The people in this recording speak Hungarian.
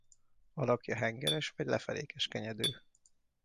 Alakja hengeres vagy lefelé keskenyedő.